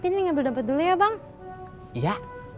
ini nggak dapet dulu ya bang iya